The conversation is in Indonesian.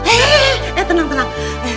eh eh eh tenang tenang